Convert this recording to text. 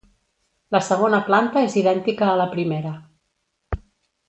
La segona planta és idèntica a la primera.